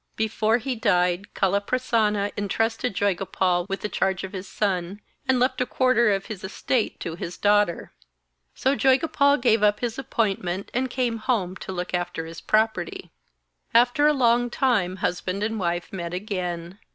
Before he died Kaliprasanna entrusted Joygopal with the charge of his son, and left a quarter of his estate to his daughter. So Joygopal gave up his appointment, and came home to look after his property. After a long time husband and wife met again.